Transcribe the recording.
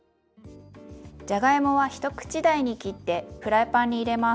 じゃがいもは一口大に切ってフライパンに入れます。